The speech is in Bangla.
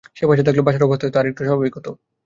সে পাশে থাকলে বাসার অবস্থা হয়তো আরেকটু স্বাভাবিক হত।